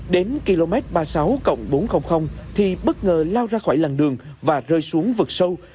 đến km ba mươi sáu cộng bốn trăm linh thì bất ngờ lao ra khỏi làng đường và rơi xuống vực sâu